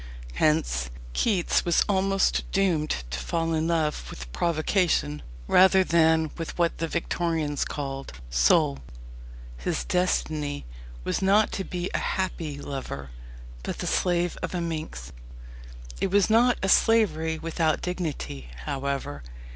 Hence, Keats was almost doomed to fall in love with provocation rather than with what the Victorians called "soul." His destiny was not to be a happy lover, but the slave of a "minx." It was not a slavery without dignity, however.